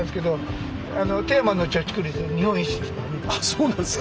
そうなんですか。